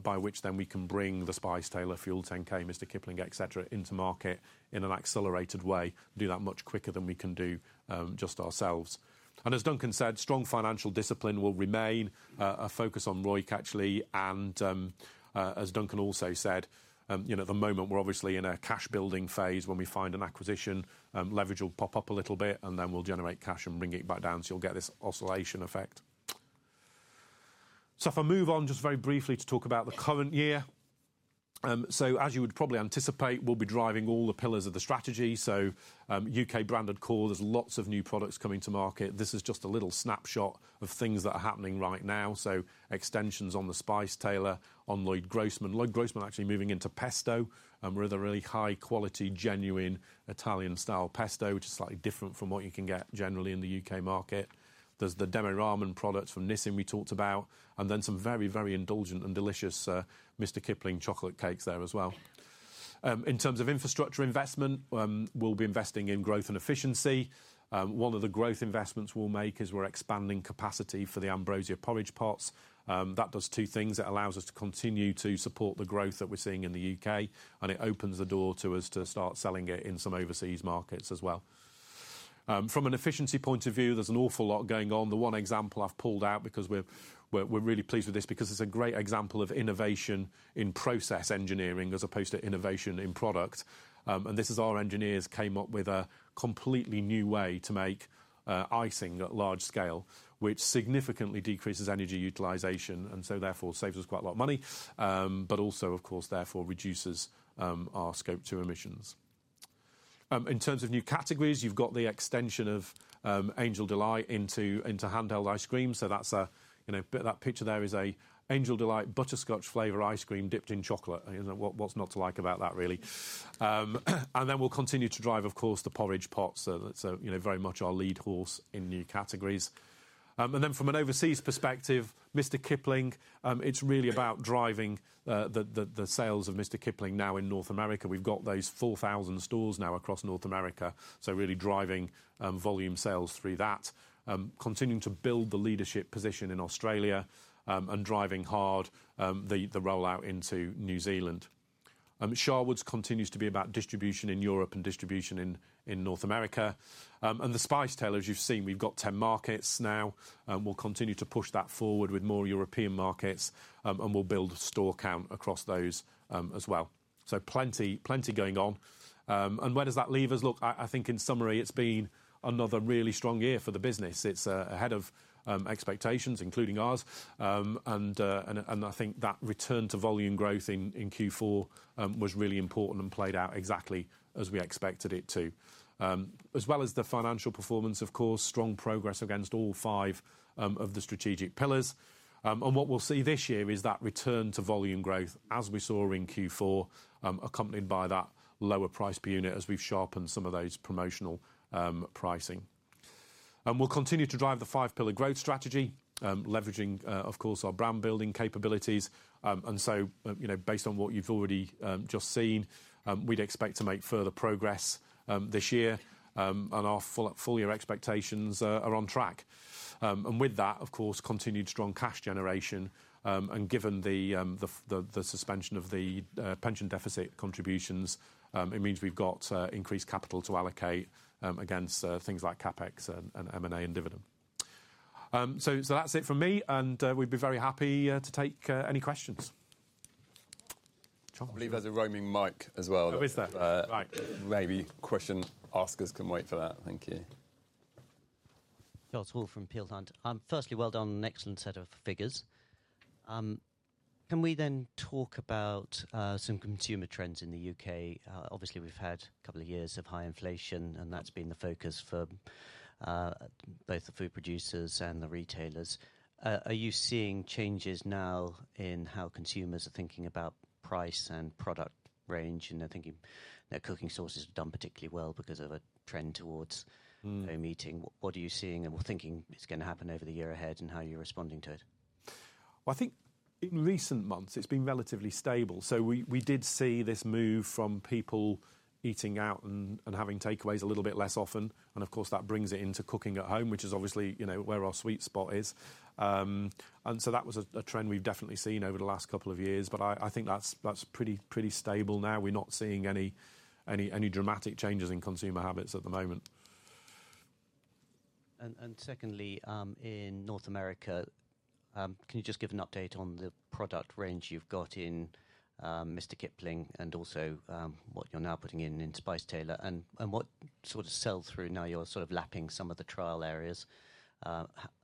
by which then we can bring the Spice Tailor, FUEL10K, Mr. Kipling, et cetera, into market in an accelerated way, do that much quicker than we can do, just ourselves. As Duncan said, strong financial discipline will remain, a focus on ROIC, actually, and, as Duncan also said, you know, at the moment, we're obviously in a cash-building phase. When we find an acquisition, leverage will pop up a little bit, and then we'll generate cash and bring it back down, so you'll get this oscillation effect. So if I move on, just very briefly to talk about the current year. So as you would probably anticipate, we'll be driving all the pillars of the strategy. So, U.K. branded core, there's lots of new products coming to market. This is just a little snapshot of things that are happening right now. So extensions on the Spice Tailor, on Loyd Grossman. Loyd Grossman actually moving into pesto, with a really high quality, genuine Italian-style pesto, which is slightly different from what you can get generally in the U.K. market. There's the Demae Ramen products from Nissin we talked about, and then some very, very indulgent and delicious, Mr. Kipling chocolate cakes there as well. In terms of infrastructure investment, we'll be investing in growth and efficiency. One of the growth investments we'll make is we're expanding capacity for the Ambrosia porridge pots. That does two things. It allows us to continue to support the growth that we're seeing in the U.K., and it opens the door to us to start selling it in some overseas markets as well. From an efficiency point of view, there's an awful lot going on. The one example I've pulled out, because we're really pleased with this because it's a great example of innovation in process engineering as opposed to innovation in product, and this is our engineers came up with a completely new way to make icing at large scale, which significantly decreases energy utilization and so therefore saves us quite a lot of money, but also, of course, therefore reduces our Scope 2 emissions. In terms of new categories, you've got the extension of Angel Delight into handheld ice cream. So that's, you know, that picture there is a Angel Delight butterscotch flavor ice cream dipped in chocolate. What, what's not to like about that, really? Then we'll continue to drive, of course, the porridge pots. So that's, you know, very much our lead horse in new categories. Then from an overseas perspective, Mr. Kipling, it's really about driving the sales of Mr. Kipling now in North America. We've got those 4,000 stores now across North America, so really driving volume sales through that. Continuing to build the leadership position in Australia, and driving hard the rollout into New Zealand. Sharwood's continues to be about distribution in Europe and distribution in North America, and the Spice Tailor, as you've seen, we've got 10 markets now, and we'll continue to push that forward with more European markets, and we'll build store count across those as well. So plenty, plenty going on, and where does that leave us? Look, I think in summary, it's been another really strong year for the business. It's ahead of expectations, including ours. I think that return to volume growth in Q4 was really important and played out exactly as we expected it to. As well as the financial performance, of course, strong progress against all five of the strategic pillars, and what we'll see this year is that return to volume growth, as we saw in Q4, accompanied by that lower price per unit as we've sharpened some of those promotional pricing, and we'll continue to drive the five pillar growth strategy, leveraging of course, our brand building capabilities, and so, you know, based on what you've already just seen, we'd expect to make further progress this year, and our full year expectations are on track. With that, of course, continued strong cash generation, and given the suspension of the pension deficit contributions, it means we've got increased capital to allocate against things like CapEx and M&A and dividend. So, that's it from me, and we'd be very happy to take any questions. I believe there's a roaming mic as well. Oh, is there? Right. Maybe question askers can wait for that. Thank you. Charles Hall from Peel Hunt. Firstly, well done on an excellent set of figures. Can we then talk about some consumer trends in the U.K.? Obviously, we've had a couple of years of high inflation, and that's been the focus for both the food producers and the retailers. Are you seeing changes now in how consumers are thinking about price and product range? I think your cooking sauces have done particularly well because of a trend towards home eating. What are you seeing and thinking is going to happen over the year ahead, and how are you responding to it? Well, I think in recent months it's been relatively stable. So we did see this move from people eating out and having takeaways a little bit less often, and of course, that brings it into cooking at home, which is obviously, you know, where our sweet spot is, and so that was a trend we've definitely seen over the last couple of years, but I think that's pretty stable now. We're not seeing any dramatic changes in consumer habits at the moment. Secondly, in North America, can you just give an update on the product range you've got in, Mr. Kipling and also, what you're now putting in, in Spice Tailor? What sort of sell-through now you're sort of lapping some of the trial areas,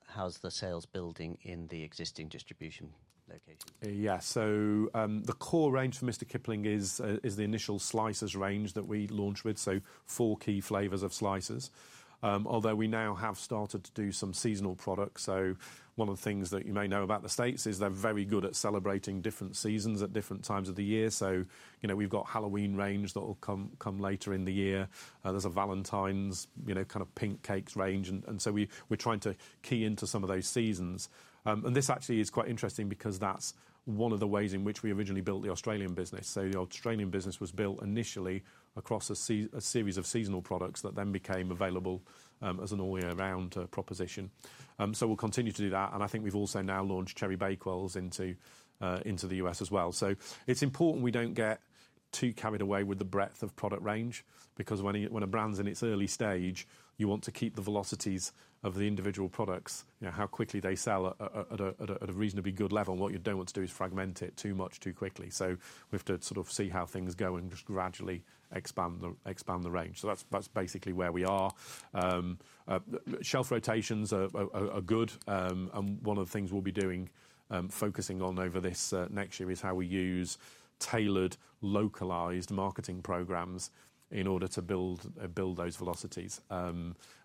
how's the sales building in the existing distribution locations? Yeah, so the core range for Mr. Kipling is the initial slices range that we launched with, so four key flavors of slices. Although we now have started to do some seasonal products. So one of the things that you may know about the States is they're very good at celebrating different seasons at different times of the year. So, you know, we've got a Halloween range that will come later in the year. There's a Valentine's, you know, kind of pink cakes range, and so we're trying to key into some of those seasons, and this actually is quite interesting because that's one of the ways in which we originally built the Australian business. So the Australian business was built initially across a series of seasonal products that then became available as an all-year-round proposition. So we'll continue to do that, and I think we've also now launched Cherry Bakewells into the U.S. as well. So it's important we don't get too carried away with the breadth of product range, because when a brand's in its early stage, you want to keep the velocities of the individual products, you know, how quickly they sell at a reasonably good level. What you don't want to do is fragment it too much, too quickly. So we've to sort of see how things go and just gradually expand the range. So that's basically where we are. Shelf rotations are good. One of the things we'll be doing, focusing on over this next year, is how we use tailored, localized marketing programs in order to build those velocities.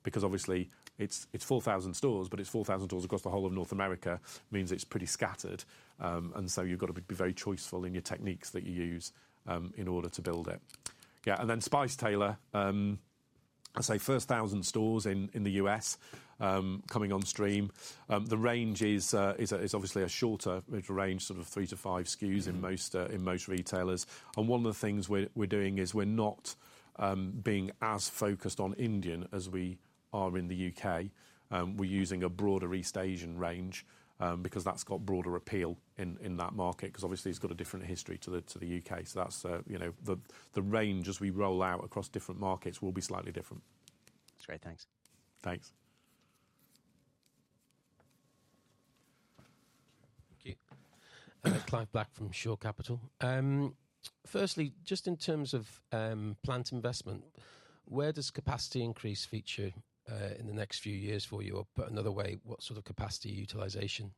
Because obviously, it's 4,000 stores, but it's 4,000 stores across the whole of North America, means it's pretty scattered, and so you've got to be very choiceful in your techniques that you use, in order to build it. Yeah, and then Spice Tailor, I'd say first 1,000 stores in the U.S., coming on stream. The range is obviously a shorter range, sort of 3-5 SKUs in most retailers, and one of the things we're doing is we're not being as focused on Indian as we are in the U.K. We're using a broader East Asian range, because that's got broader appeal in that market, because obviously it's got a different history to the U.K. So that's, you know, the range as we roll out across different markets will be slightly different. That's great. Thanks. Thanks. Thank you. Clive Black from Shore Capital. Firstly, just in terms of plant investment, where does capacity increase feature in the next few years for you? Or put another way, what sort of capacity utilization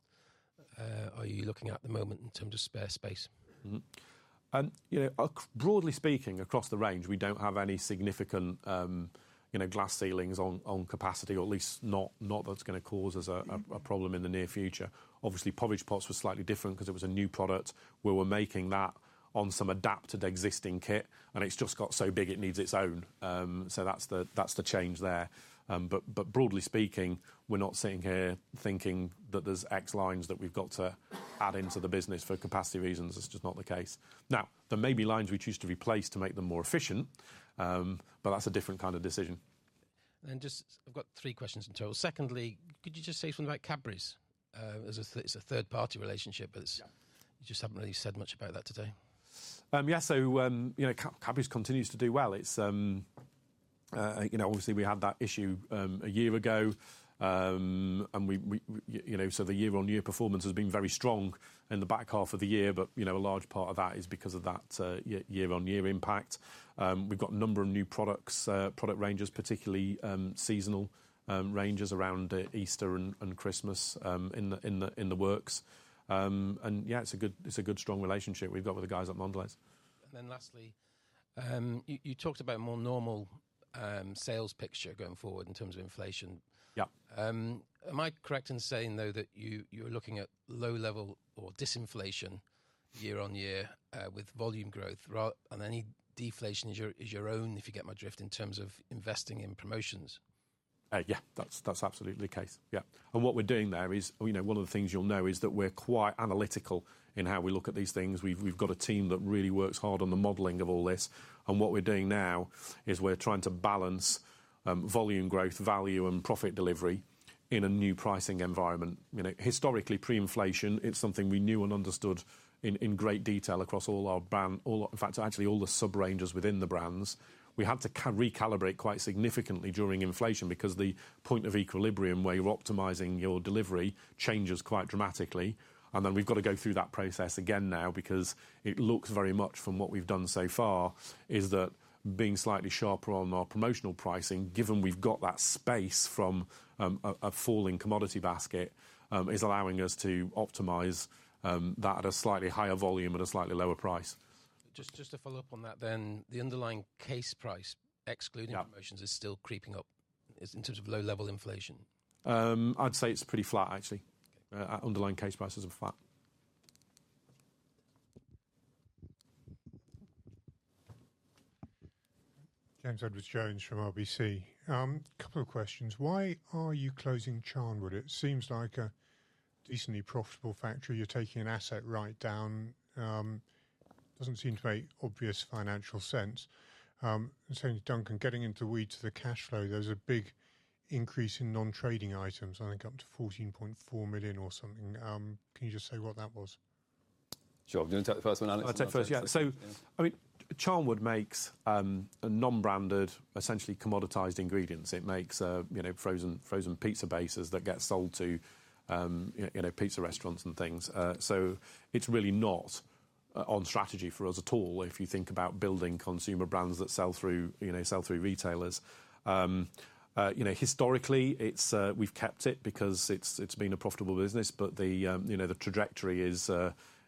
are you looking at the moment in terms of spare space? You know, broadly speaking, across the range, we don't have any significant, you know, glass ceilings on capacity, or at least not that's gonna cause us a, a problem in the near future. Obviously, porridge pots was slightly different because it was a new product. We were making that on some adapted existing kit, and it's just got so big, it needs its own. So that's the change there, but broadly speaking, we're not sitting here thinking that there's X lines that we've got to add into the business for capacity reasons. It's just not the case. Now, there may be lines we choose to replace to make them more efficient, but that's a different kind of decision. Just, I've got three questions in total. Secondly, could you just say something about Cadbury's? It's a third-party relationship, but you just haven't really said much about that today. Yeah, so, you know, Cadbury's continues to do well. It's, you know, obviously, we had that issue, a year ago, and we, you know, so the year-on-year performance has been very strong in the back half of the year, but, you know, a large part of that is because of that, year-on-year impact. We've got a number of new products, product ranges, particularly, seasonal, ranges around Easter and, and Christmas, in the works, and yeah, it's a good, it's a good, strong relationship we've got with the guys at Mondelez. Then lastly, you talked about a more normal sales picture going forward in terms of inflation, am I correct in saying, though, that you, you're looking at low level or disinflation year-on-year, with volume growth, and any deflation is your, is your own, if you get my drift, in terms of investing in promotions? Yeah, that's absolutely the case. Yeah, and what we're doing there is, you know, one of the things you'll know is that we're quite analytical in how we look at these things. We've got a team that really works hard on the modeling of all this, and what we're doing now is we're trying to balance volume growth, value, and profit delivery in a new pricing environment. You know, historically, pre-inflation, it's something we knew and understood in great detail across all our brands. In fact, actually all the sub-ranges within the brands. We had to recalibrate quite significantly during inflation because the point of equilibrium where you're optimizing your delivery changes quite dramatically, and then we've got to go through that process again now, because it looks very much from what we've done so far is that being slightly sharper on our promotional pricing, given we've got that space from a falling commodity basket, is allowing us to optimize that at a slightly higher volume at a slightly lower price. Just to follow up on that then, the underlying case price, excluding promotions is still creeping up. Is in terms of low-level inflation? I'd say it's pretty flat, actually. Our underlying case price is flat. James Edwardes Jones from RBC. Couple of questions. Why are you closing Charnwood? It seems like a decently profitable factory. You're taking an asset write down. Doesn't seem to make obvious financial sense, and so Duncan, getting into the weeds of the cash flow, there's a big increase in non-trading items, I think up to 14.4 million or something. Can you just say what that was? Sure. Do you want to take the first one, Alex? I'll take the first one, yeah. Yeah. So, I mean, Charnwood makes a non-branded, essentially commoditized ingredients. It makes you know, frozen pizza bases that get sold to you know, pizza restaurants and things. So it's really not on strategy for us at all, if you think about building consumer brands that sell through you know, sell through retailers. You know, historically, we've kept it because it's been a profitable business, but you know, the trajectory is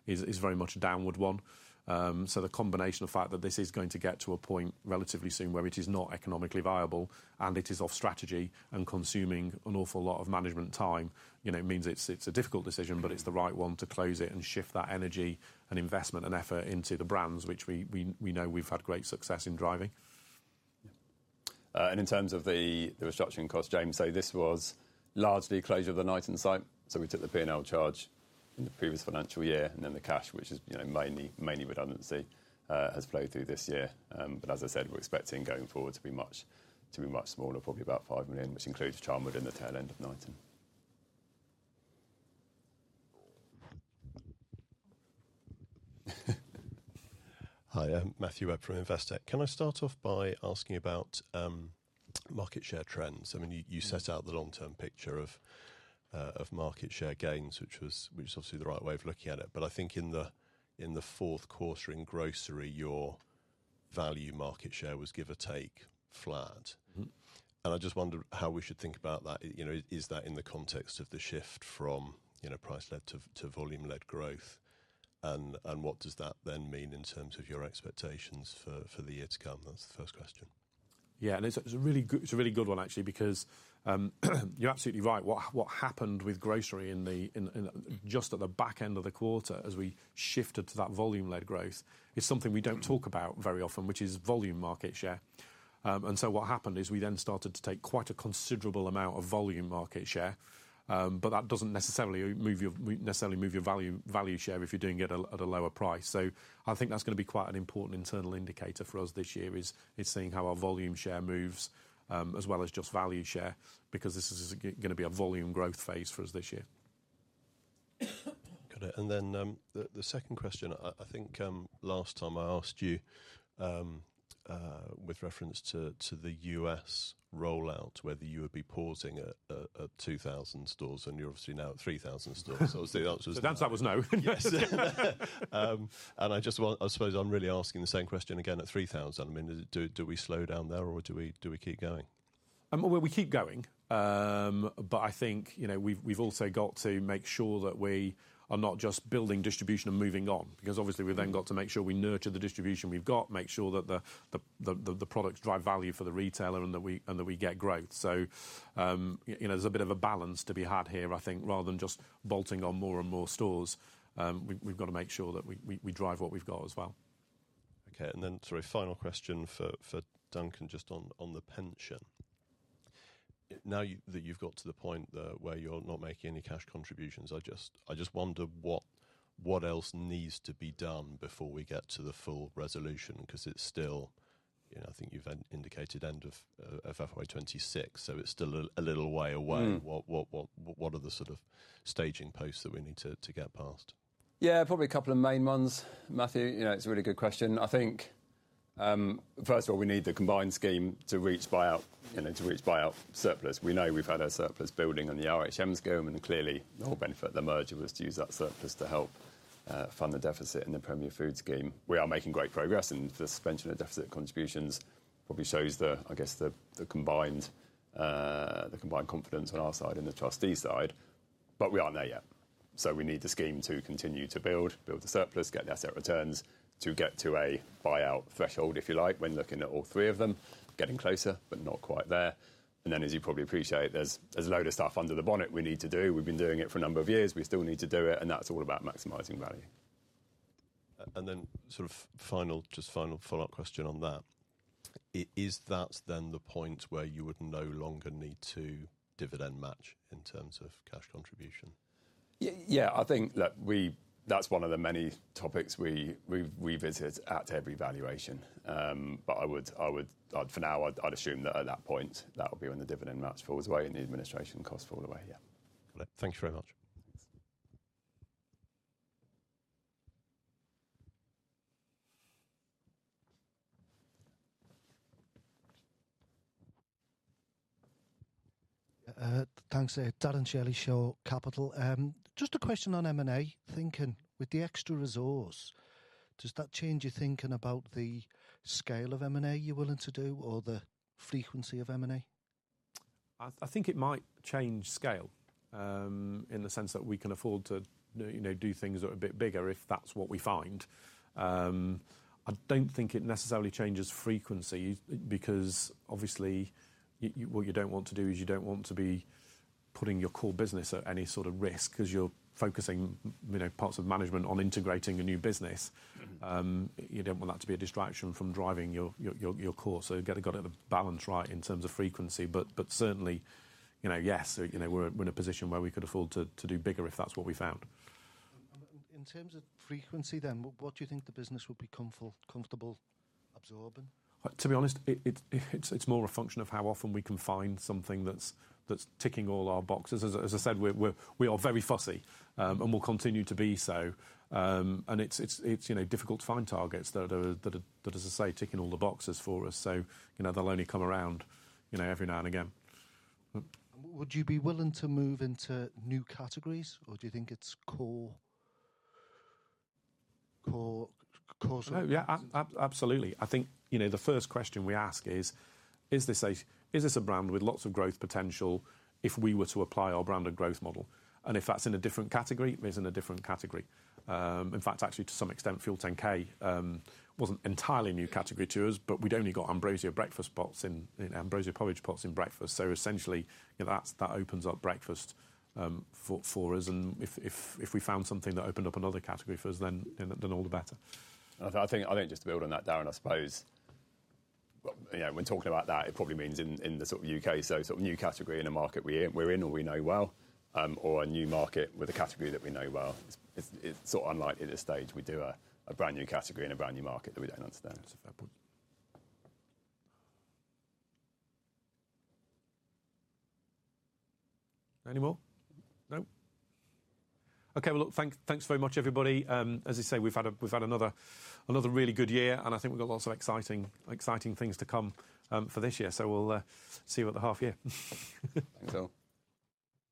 very much a downward one. So, the combination of the fact that this is going to get to a point relatively soon where it is not economically viable and it is off strategy and consuming an awful lot of management time, you know, means it's a difficult decision, but it's the right one to close it and shift that energy and investment and effort into the brands which we know we've had great success in driving. In terms of the restructuring cost, James, so this was largely a closure of the Knighton site, so we took the P&L charge in the previous financial year, and then the cash, which is, you know, mainly redundancy, has flowed through this year, but as I said, we're expecting going forward to be much smaller, probably about 5 million, which includes Charnwood in the tail end of 2019. Hi, I'm Matthew Webb from Investec. Can I start off by asking about market share trends? I mean, you, you set out the long-term picture of market share gains, which was, which is obviously the right way of looking at it, but I think in the fourth quarter in grocery, your value market share was give or take, flat. I just wondered how we should think about that. You know, is that in the context of the shift from, you know, price-led to volume-led growth? What does that then mean in terms of your expectations for the year to come? That's the first question. Yeah, and it's a really good one, actually, because you're absolutely right. What happened with grocery in just at the back end of the quarter as we shifted to that volume-led growth is something we don't talk about very often, which is volume market share, and so what happened is we then started to take quite a considerable amount of volume market share, but that doesn't necessarily move your value share if you're doing it at a lower price. So I think that's going to be quite an important internal indicator for us this year, it's seeing how our volume share moves as well as just value share, because this is gonna be a volume growth phase for us this year. Got it, and then, the second question, I think, last time I asked you, with reference to the U.S. rollout, whether you would be pausing at 2,000 stores, and you're obviously now at 3,000 stores. So obviously, the answer is. The answer was no. Yes, and I just want I suppose I'm really asking the same question again at 3,000. I mean, do we slow down there or do we keep going? Well, we keep going, but I think, you know, we've also got to make sure that we are not just building distribution and moving on, because obviously we've then got to make sure we nurture the distribution we've got, make sure that the products drive value for the retailer and that we get growth. So, you know, there's a bit of a balance to be had here, I think rather than just bolting on more and more stores, we've got to make sure that we drive what we've got as well. Okay, and then sorry, final question for Duncan, just on the pension. Now that you've got to the point where you're not making any cash contributions, I just wonder what else needs to be done before we get to the full resolution, 'cause it's still, you know, I think you've indicated end of FY 2026, so it's still a little way away, what are the sort of staging posts that we need to get past? Yeah, probably a couple of main ones, Matthew. You know, it's a really good question. I think, first of all, we need the combined scheme to reach buyout, you know, to reach buyout surplus. We know we've had our surplus building on the RHM scheme, and clearly, the whole benefit of the merger was to use that surplus to help fund the deficit in the Premier Foods scheme. We are making great progress, and the suspension of deficit contributions probably shows the, I guess, the combined confidence on our side and the trustee side, but we aren't there yet. So we need the scheme to continue to build the surplus, get the asset returns, to get to a buyout threshold, if you like, when looking at all three of them. Getting closer, but not quite there. Then, as you probably appreciate, there's a load of stuff under the bonnet we need to do. We've been doing it for a number of years. We still need to do it, and that's all about maximizing value. Then sort of final, just final follow-up question on that. Is that then the point where you would no longer need to dividend match in terms of cash contribution? Yeah, I think, look, we, that's one of the many topics we visit at every valuation, but I would, for now, I'd assume that at that point, that'll be when the dividend match falls away and the administration costs fall away, yeah. Thanks very much. Thanks. Darren Shirley, Shore Capital. Just a question on M&A. Thinking with the extra resource, does that change your thinking about the scale of M&A you're willing to do or the frequency of M&A? I think it might change scale, in the sense that we can afford to, you know, do things that are a bit bigger, if that's what we find. I don't think it necessarily changes frequency because obviously, what you don't want to do is you don't want to be putting your core business at any sort of risk because you're focusing, you know, parts of management on integrating a new business. You don't want that to be a distraction from driving your core. So you got to get the balance right in terms of frequency, but certainly, you know, yes, you know, we're in a position where we could afford to do bigger, if that's what we found. In terms of frequency, then, what do you think the business would be comfortable absorbing? To be honest, it's more a function of how often we can find something that's ticking all our boxes. As I said, we are very fussy, and we'll continue to be so, and it's, you know, difficult to find targets that are, as I say, ticking all the boxes for us. So, you know, they'll only come around, you know, every now and again. Would you be willing to move into new categories, or do you think it's core, core, core? Yeah, absolutely. I think, you know, the first question we ask is, is this a brand with lots of growth potential if we were to apply our brand of growth model? If that's in a different category, it's in a different category. In fact, actually, to some extent, FUEL10K wasn't entirely a new category to us, but we'd only got Ambrosia breakfast pots in, and Ambrosia porridge pots in breakfast. So essentially, you know, that's, that opens up breakfast for us, and if we found something that opened up another category for us, then, you know, then all the better. I think just to build on that, Darren, I suppose, you know, when talking about that, it probably means in the sort of U.K., so sort of new category in a market we're in or we know well, or a new market with a category that we know well. It's sort of unlikely at this stage we'd do a brand-new category in a brand-new market that we don't understand. That's a fair point. Any more? No. Okay, well, look, thanks very much, everybody. As I say, we've had another really good year, and I think we've got lots of exciting things to come for this year. So we'll see you at the half year. Thanks all.